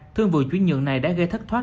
thương vụ chuyển nhượng này đã gây thất thoát